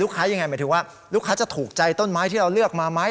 ยังไงหมายถึงว่าลูกค้าจะถูกใจต้นไม้ที่เราเลือกมาไหม